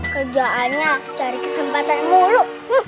kerjaannya cari kesempatan mulu